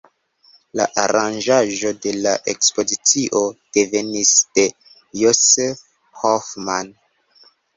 La aranĝaĵo de la ekspozicio devenis de Josef Hoffmann.